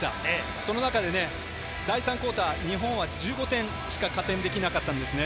その中で第３クオーター、日本は１５点しか加点できなかったんですね。